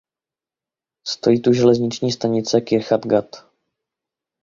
Stojí tu železniční stanice Kirjat Gat.